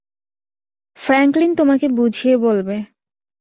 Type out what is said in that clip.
Franklin তোমাকে বুঝিয়ে বলবে।